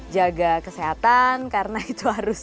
jaga kesehatan karena itu harus